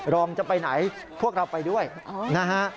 รองจะไปไหนพวกเราไปด้วยนะฮะ